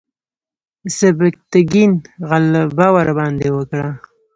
سبکتګین غلبه ورباندې وکړه.